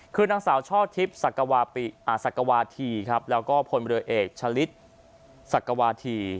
คือนางสาวช่อทิพย์สักวาทีแล้วก็ผล่วิวเอกชลิศสักวาที